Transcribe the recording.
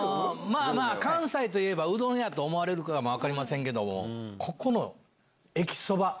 まぁ関西といえばうどんやと思われるかも分かりませんけどここのえきそば。